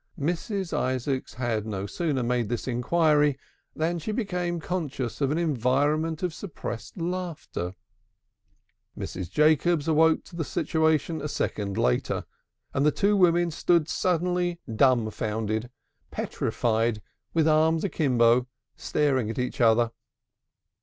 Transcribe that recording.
Mrs. Isaacs had no sooner made this inquiry than she became conscious of an environment of suppressed laughter; Mrs. Jacobs awoke to the situation a second later, and the two women stood suddenly dumbfounded, petrified, with arms akimbo, staring at each other.